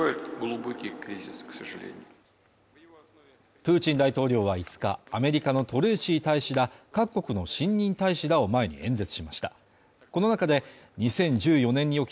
プーチン大統領は５日、アメリカのトレーシー大使ら各国の新任大使らを前に演説しました。